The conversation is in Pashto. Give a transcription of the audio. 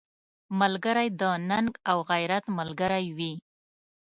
ملګری د ننګ او غیرت ملګری وي